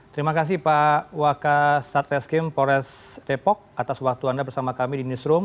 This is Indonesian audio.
terima kasih pak wakasatreskim pores repok atas waktu anda bersama kami di newsroom